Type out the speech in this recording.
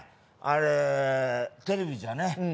あれテレビじゃね